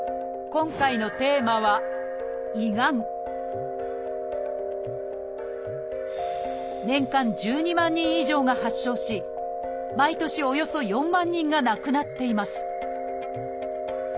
今回のテーマは年間１２万人以上が発症し毎年およそ４万人が亡くなっています